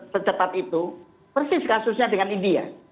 secepat itu persis kasusnya dengan india